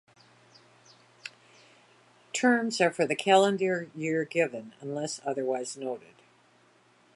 Terms are for the calendar year given unless otherwise noted.